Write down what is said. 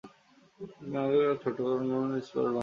পরে তিনি আরো ছোটো ও সুন্দর এক স্পষ্ট বাংলা হরফের নকশা তৈরি করেন।